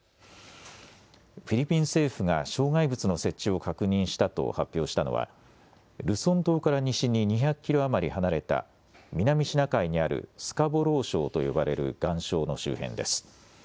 フィリピン政府が障害物の設置を確認したと発表したのはルソン島から西に２００キロ余り離れた南シナ海にあるスカボロー礁と呼ばれる岩礁の周辺です。